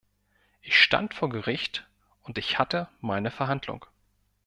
Ich stand vor Gericht und ich hatte meine Verhandlung.